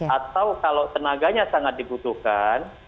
atau kalau tenaganya sangat dibutuhkan